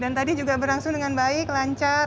dan tadi juga berlangsung dengan baik lancar